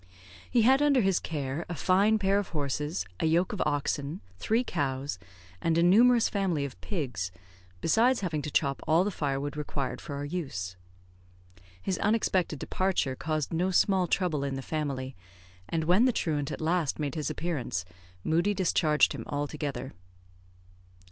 He had under his care a fine pair of horses, a yoke of oxen, three cows, and a numerous family of pigs, besides having to chop all the firewood required for our use. His unexpected departure caused no small trouble in the family; and when the truant at last made his appearance, Moodie discharged him altogether.